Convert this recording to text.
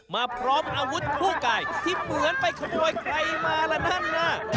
มาพร้อมอาวุธคู่กายที่เหมือนไปขโมยใครมาละนั่นน่ะ